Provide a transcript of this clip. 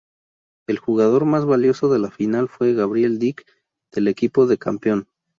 El jugador más valioso de la final fue Gabriel Deck, del equipo de campeón.